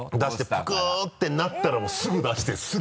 プクッてなったらもうすぐ出してすぐ。